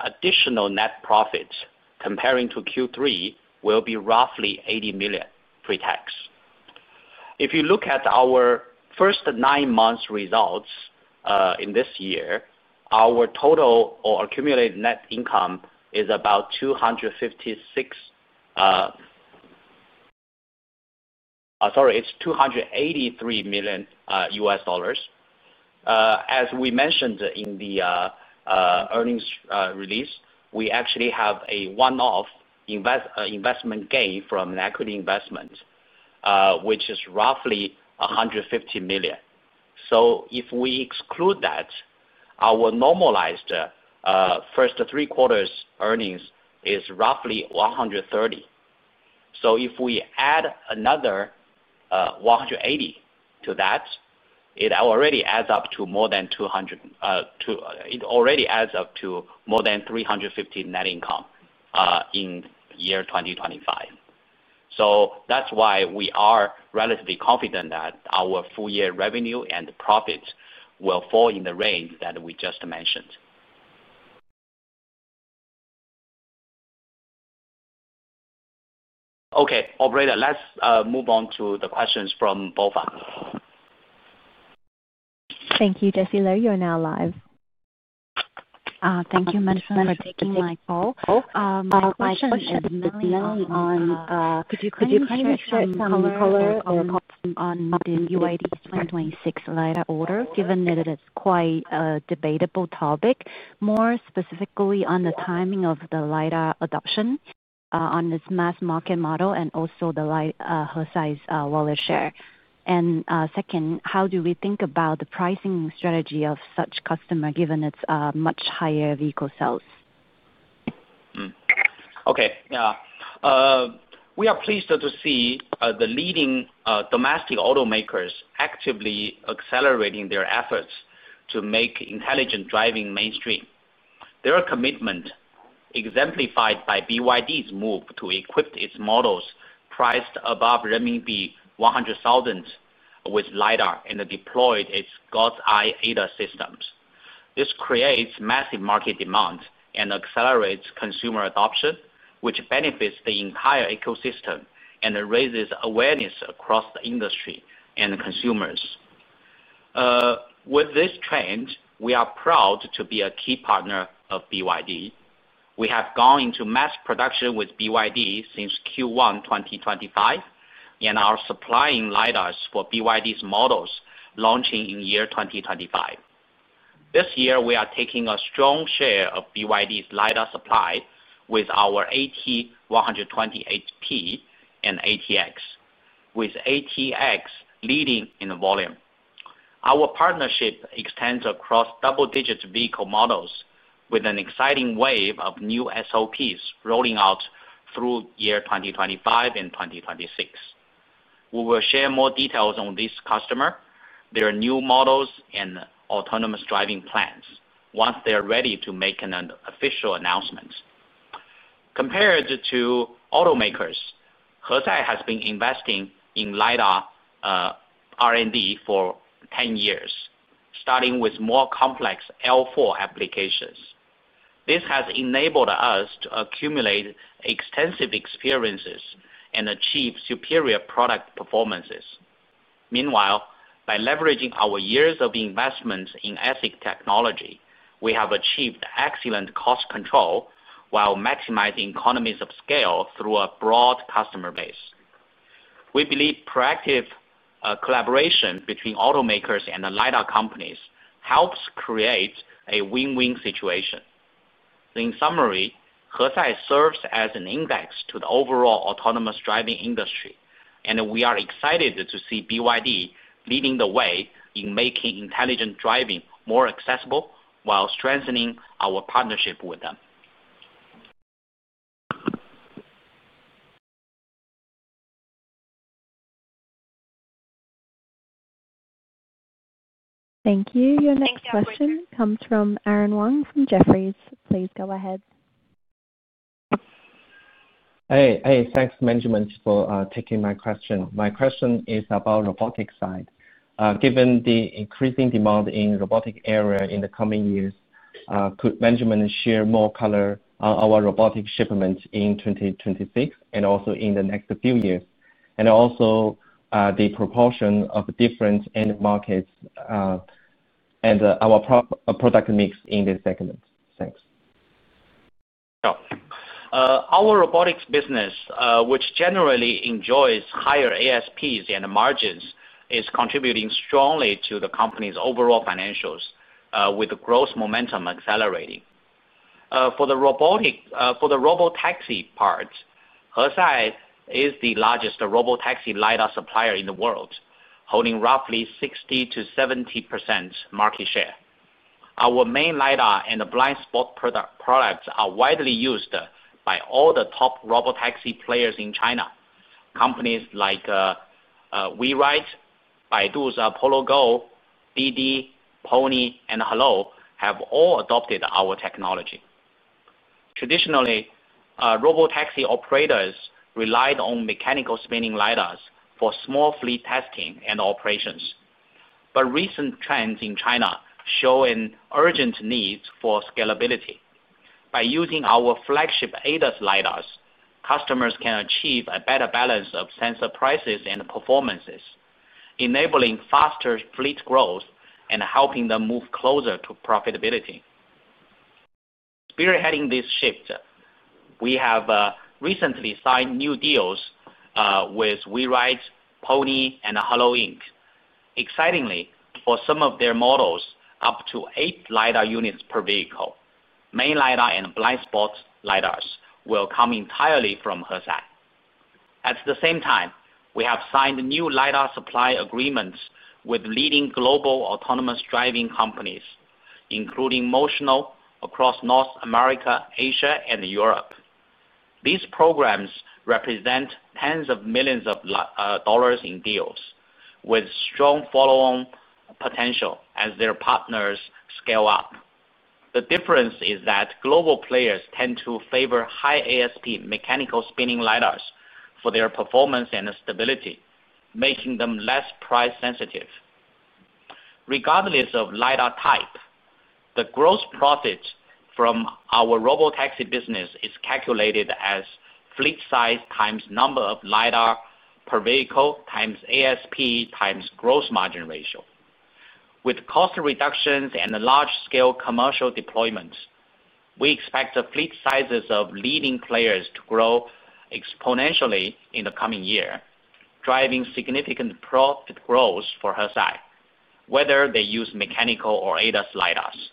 additional net profit comparing to Q3 will be roughly 80 million pre-tax. If you look at our first nine months' results in this year, our total or accumulated net income is about 256 million—sorry, it's RMB 283 million. As we mentioned in the earnings release, we actually have a one-off investment gain from an equity investment, which is roughly 150 million. If we exclude that, our normalized first three quarters' earnings is roughly 130 million. If we add another 180 million to that, it already adds up to more than 350 million net income in year 2025. That is why we are relatively confident that our full-year revenue and profits will fall in the range that we just mentioned. Okay, operator, let's move on to the questions from both of us. Thank you, Jesse Lu. You're now live. Thank you for taking my call. Question is mainly on, could you please make sure it's on the color or on the UID 2026 live order, given that it is quite a debatable topic, more specifically on the timing of the LiDAR adoption on this mass market model and also the Hesai's wallet share. Second, how do we think about the pricing strategy of such customers, given its much higher vehicle sales? Okay. We are pleased to see the leading domestic automakers actively accelerating their efforts to make intelligent driving mainstream. Their commitment exemplified by BYD's move to equip its models priced above renminbi 100,000 with LiDAR and deployed its God's Eye ADAS systems. This creates massive market demand and accelerates consumer adoption, which benefits the entire ecosystem and raises awareness across the industry and consumers. With this trend, we are proud to be a key partner of BYD. We have gone into mass production with BYD since Q1 2025, and are supplying LiDARs for BYD's models launching in year 2025. This year, we are taking a strong share of BYD's LiDAR supply with our AT120HP and ATX, with ATX leading in volume. Our partnership extends across double-digit vehicle models with an exciting wave of new SOPs rolling out through year 2025 and 2026. We will share more details on this customer, their new models, and autonomous driving plans once they are ready to make an official announcement. Compared to automakers, Hesai has been investing in LiDAR R&D for 10 years, starting with more complex L4 applications. This has enabled us to accumulate extensive experiences and achieve superior product performances. Meanwhile, by leveraging our years of investment in ASIC technology, we have achieved excellent cost control while maximizing economies of scale through a broad customer base. We believe proactive collaboration between automakers and LiDAR companies helps create a win-win situation. In summary, Hesai serves as an index to the overall autonomous driving industry, and we are excited to see BYD leading the way in making intelligent driving more accessible while strengthening our partnership with them. Thank you. Your next question comes from Aaron Wong from Jefferies. Please go ahead. Hey, thanks, Management, for taking my question. My question is about the robotics side. Given the increasing demand in the robotics area in the coming years, could Management share more color on our robotics shipment in 2026 and also in the next few years? Also the proportion of different end markets and our product mix in this segment. Thanks. Our robotics business, which generally enjoys higher ASPs and margins, is contributing strongly to the company's overall financials, with growth momentum accelerating. For the robotaxi part, Hesai is the largest robotaxi LiDAR supplier in the world, holding roughly 60-70% market share. Our main LiDAR and blind spot products are widely used by all the top robotaxi players in China. Companies like WeRide, Baidu Apollo Go, DiDi, Pony.ai, and Halo Inc. have all adopted our technology. Traditionally, robotaxi operators relied on mechanical spinning LiDARs for small fleet testing and operations. Recent trends in China show an urgent need for scalability. By using our flagship ADAS LiDARs, customers can achieve a better balance of sensor prices and performances, enabling faster fleet growth and helping them move closer to profitability. Spearheading this shift, we have recently signed new deals with WeRide, Pony.ai, and Halo Inc. Excitingly, for some of their models, up to eight LiDAR units per vehicle, main LiDAR and blind spot LiDARs will come entirely from Hesai. At the same time, we have signed new LiDAR supply agreements with leading global autonomous driving companies, including Motional, across North America, Asia, and Europe. These programs represent tens of millions of dollars in deals, with strong follow-on potential as their partners scale up. The difference is that global players tend to favor high ASP mechanical spinning LiDARs for their performance and stability, making them less price-sensitive. Regardless of LiDAR type, the gross profit from our robotaxi business is calculated as fleet size times number of LiDAR per vehicle times ASP times gross margin ratio. With cost reductions and large-scale commercial deployment, we expect the fleet sizes of leading players to grow exponentially in the coming year, driving significant profit growth for Hesai, whether they use mechanical or ADAS LiDARs.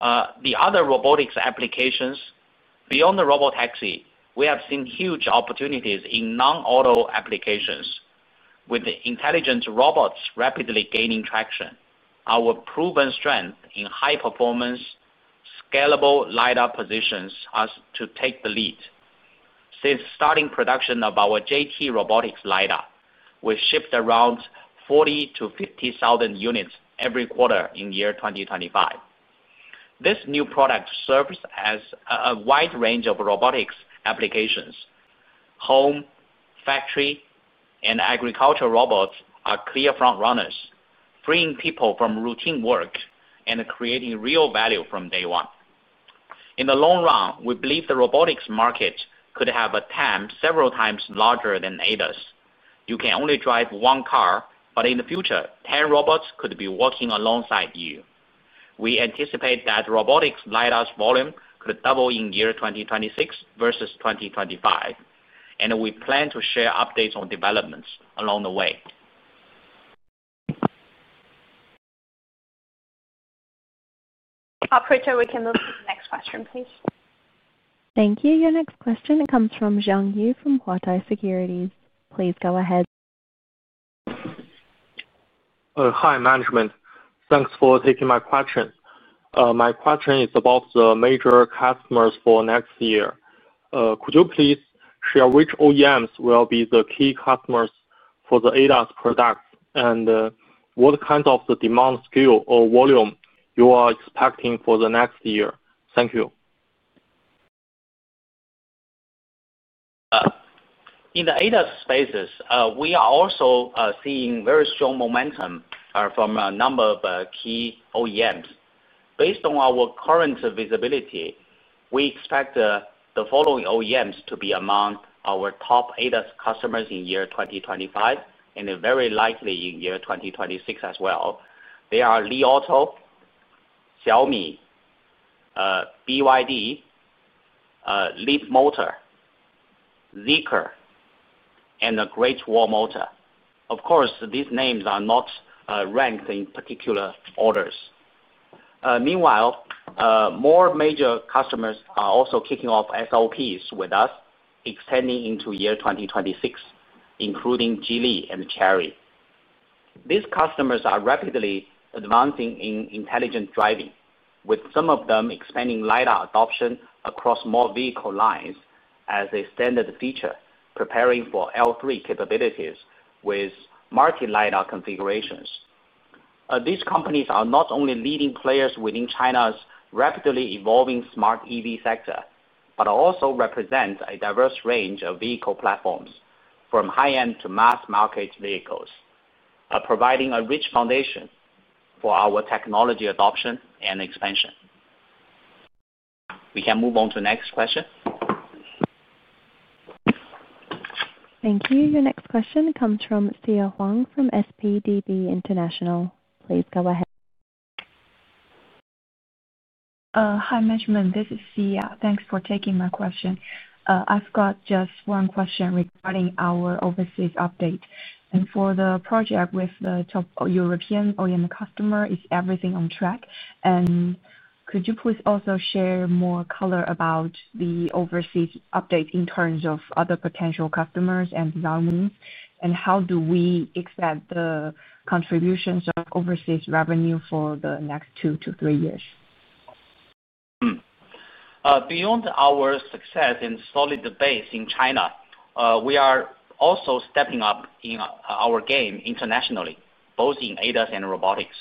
The other robotics applications beyond the robotaxi, we have seen huge opportunities in non-auto applications, with intelligent robots rapidly gaining traction. Our proven strength in high-performance, scalable LiDAR positions us to take the lead. Since starting production of our JT Robotics LiDAR, we shipped around 40,000-50,000 units every quarter in year 2025. This new product serves a wide range of robotics applications. Home, factory, and agriculture robots are clear front-runners, freeing people from routine work and creating real value from day one. In the long run, we believe the robotics market could have a TAM several times larger than ADAS. You can only drive one car, but in the future, 10 robots could be working alongside you. We anticipate that robotics LiDARs' volume could double in year 2026 versus 2025, and we plan to share updates on developments along the way. Operator, we can move to the next question, please. Thank you. Your next question comes from Zheng Yu from Huatai Securities. Please go ahead. Hi, Management. Thanks for taking my question. My question is about the major customers for next year. Could you please share which OEMs will be the key customers for the ADAS products, and what kind of demand scale or volume you are expecting for the next year? Thank you. In the ADAS spaces, we are also seeing very strong momentum from a number of key OEMs. Based on our current visibility, we expect the following OEMs to be among our top ADAS customers in year 2025, and very likely in year 2026 as well. They are Li Auto, Xiaomi, BYD, Leap Motor, Zeekr, and Great Wall Motor. Of course, these names are not ranked in particular orders. Meanwhile, more major customers are also kicking off SOPs with us, extending into year 2026, including Geely and Chery. These customers are rapidly advancing in intelligent driving, with some of them expanding LiDAR adoption across more vehicle lines as a standard feature, preparing for L3 capabilities with multi-LiDAR configurations. These companies are not only leading players within China's rapidly evolving smart EV sector, but also represent a diverse range of vehicle platforms from high-end to mass-market vehicles, providing a rich foundation for our technology adoption and expansion. We can move on to the next question. Thank you. Your next question comes from Sia Huang from SPDB International. Please go ahead. Hi, Management. This is Sia. Thanks for taking my question. I've got just one question regarding our overseas update. For the project with the top European OEM customer, is everything on track? Could you please also share more color about the overseas update in terms of other potential customers and design needs, and how do we expect the contributions of overseas revenue for the next two to three years? Beyond our success and solid base in China, we are also stepping up our game internationally, both in ADAS and robotics.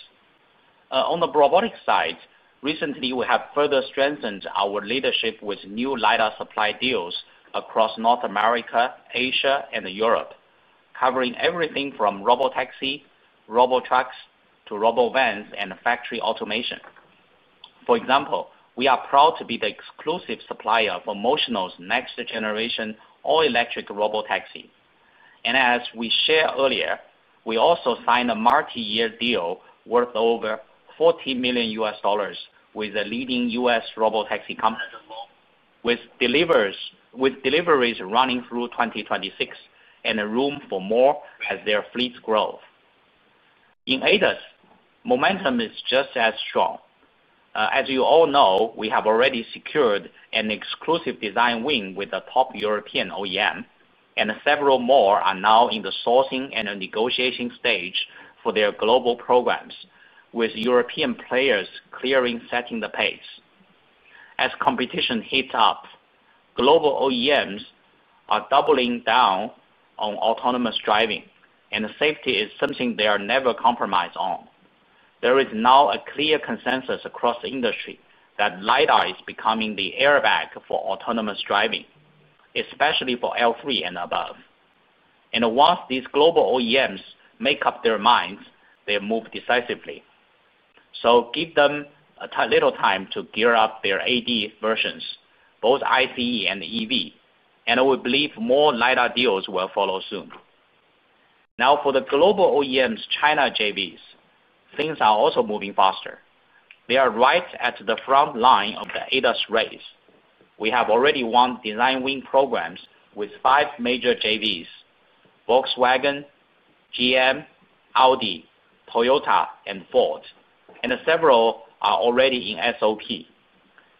On the robotics side, recently, we have further strengthened our leadership with new LiDAR supply deals across North America, Asia, and Europe, covering everything from robotaxi, robo trucks, to robo vans and factory automation. For example, we are proud to be the exclusive supplier for Motional's next-generation all-electric robotaxi. As we shared earlier, we also signed a multi-year deal worth over RMB 40 million with a leading U.S. robotaxi company, with deliveries running through 2026 and room for more as their fleets grow. In ADAS, momentum is just as strong. As you all know, we have already secured an exclusive design win with a top European OEM, and several more are now in the sourcing and negotiation stage for their global programs, with European players clearly setting the pace. As competition heats up, global OEMs are doubling down on autonomous driving, and safety is something they are never compromised on. There is now a clear consensus across the industry that LiDAR is becoming the airbag for autonomous driving, especially for L3 and above. Once these global OEMs make up their minds, they move decisively. Give them a little time to gear up their AD versions, both ICE and EV, and we believe more LiDAR deals will follow soon. Now, for the global OEMs' China JVs, things are also moving faster. They are right at the front line of the ADAS race. We have already won design win programs with five major JVs: Volkswagen, GM, Audi, Toyota, and Ford, and several are already in SOP.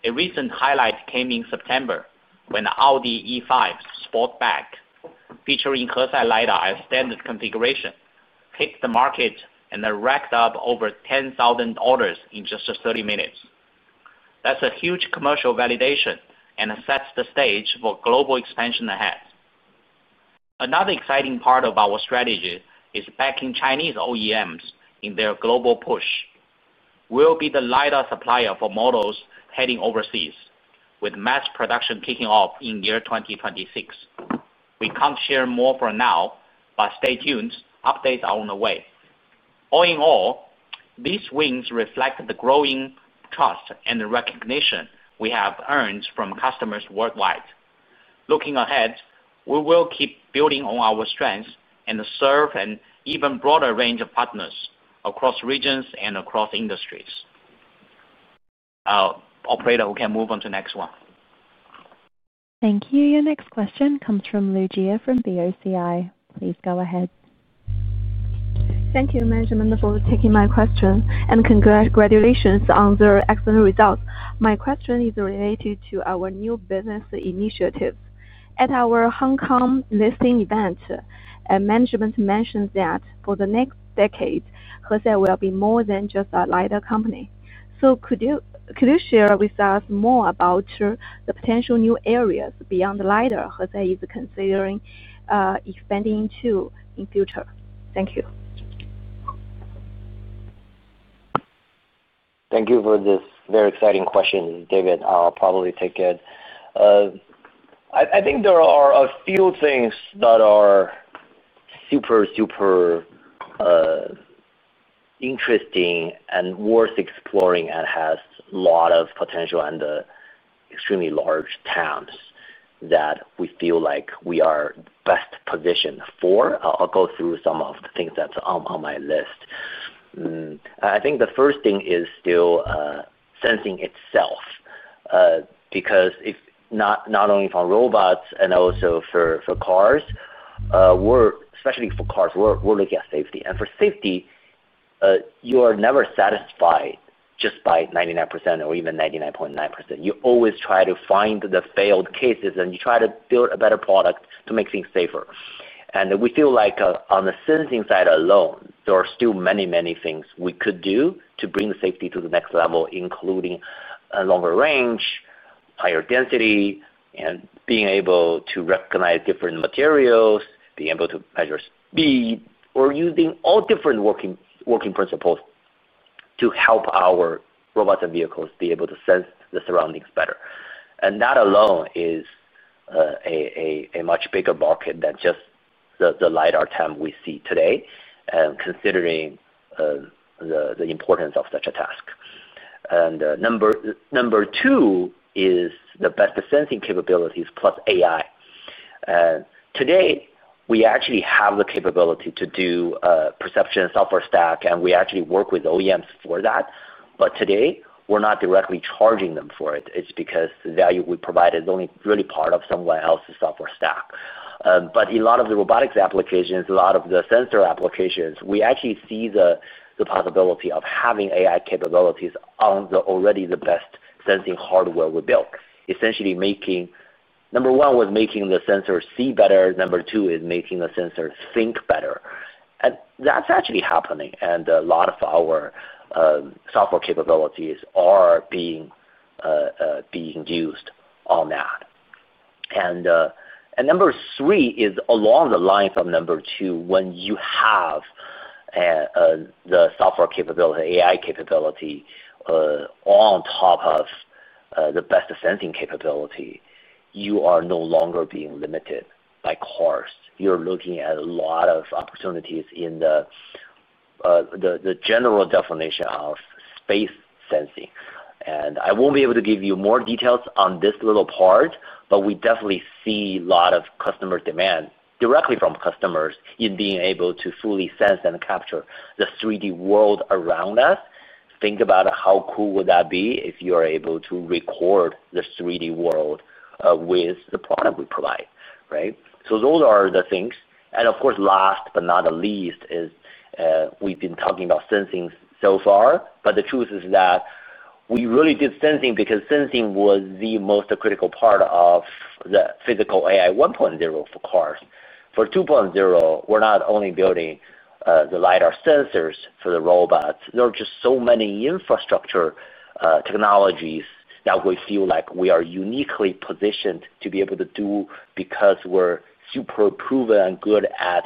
A recent highlight came in September when the Audi E5 Sportback, featuring Hesai LiDAR as standard configuration, hit the market and racked up over 10,000 orders in just 30 minutes. That's a huge commercial validation and sets the stage for global expansion ahead. Another exciting part of our strategy is backing Chinese OEMs in their global push. We'll be the LiDAR supplier for models heading overseas, with mass production kicking off in year 2026. We can't share more for now, but stay tuned. Updates are on the way. All in all, these wins reflect the growing trust and recognition we have earned from customers worldwide. Looking ahead, we will keep building on our strengths and serve an even broader range of partners across regions and across industries. Operator, we can move on to the next one. Thank you. Your next question comes from Lu Jia from VOCI. Please go ahead. Thank you, Management, for taking my question, and congratulations on your excellent results. My question is related to our new business initiative. At our Hong Kong listing event, Management mentioned that for the next decade, Hesai will be more than just a LiDAR company. Could you share with us more about the potential new areas beyond LiDAR Hesai is considering expanding into in the future? Thank you. Thank you for this very exciting question, David. I'll probably take it. I think there are a few things that are super, super interesting and worth exploring and has a lot of potential and extremely large TAMs that we feel like we are best positioned for. I'll go through some of the things that are on my list. I think the first thing is still sensing itself, because not only for robots and also for cars, especially for cars, we're looking at safety. For safety, you are never satisfied just by 99% or even 99.9%. You always try to find the failed cases, and you try to build a better product to make things safer. We feel like on the sensing side alone, there are still many, many things we could do to bring the safety to the next level, including a longer range, higher density, and being able to recognize different materials, being able to measure speed, or using all different working principles to help our robots and vehicles be able to sense the surroundings better. That alone is a much bigger market than just the LiDAR TAM we see today, considering the importance of such a task. Number two is the best sensing capabilities plus AI. Today, we actually have the capability to do perception software stack, and we actually work with OEMs for that. Today, we're not directly charging them for it. It's because the value we provide is only really part of someone else's software stack. In a lot of the robotics applications, a lot of the sensor applications, we actually see the possibility of having AI capabilities on already the best sensing hardware we built, essentially making number one was making the sensor see better. Number two is making the sensor think better. That is actually happening, and a lot of our software capabilities are being used on that. Number three is along the lines of number two, when you have the software capability, AI capability on top of the best sensing capability, you are no longer being limited by cars. You are looking at a lot of opportunities in the general definition of space sensing. I will not be able to give you more details on this little part, but we definitely see a lot of customer demand directly from customers in being able to fully sense and capture the 3D world around us. Think about how cool would that be if you are able to record the 3D world with the product we provide, right? Those are the things. Of course, last but not the least, we have been talking about sensing so far, but the truth is that we really did sensing because sensing was the most critical part of the physical AI 1.0 for cars. For 2.0, we are not only building the LiDAR sensors for the robots. There are just so many infrastructure technologies that we feel like we are uniquely positioned to be able to do. Because we're super proven and good at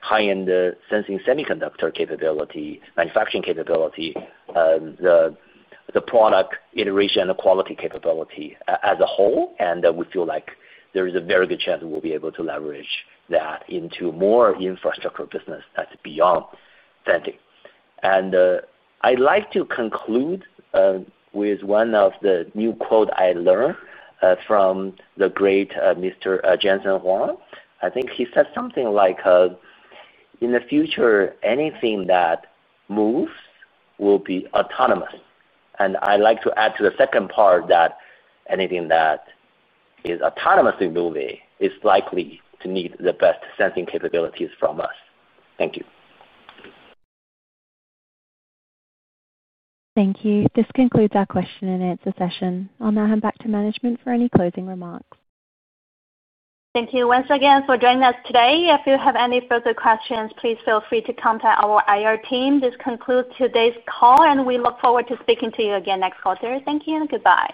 high-end sensing semiconductor capability, manufacturing capability, the product iteration, and the quality capability as a whole. We feel like there is a very good chance we'll be able to leverage that into more infrastructure business that's beyond sensing. I would like to conclude with one of the new quotes I learned from the great Mr. Jensen Huang. I think he said something like, "In the future, anything that moves will be autonomous." I would like to add to the second part that anything that is autonomously moving is likely to need the best sensing capabilities from us. Thank you. Thank you. This concludes our question and answer session. I'll now hand back to management for any closing remarks. Thank you once again for joining us today. If you have any further questions, please feel free to contact our IR team. This concludes today's call, and we look forward to speaking to you again next quarter. Thank you and goodbye.